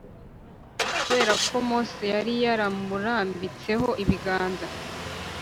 kubera ko mose yari yaramurambitseho ibiganza